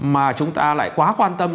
mà chúng ta lại quá quan tâm